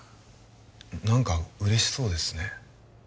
何か嬉しそうですね